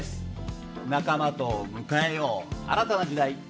仲間と迎えよう新たな時代！